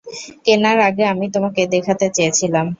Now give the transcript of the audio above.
কেনার আগে আমি, তোমাকে দেখাতে চেয়েছিলাম।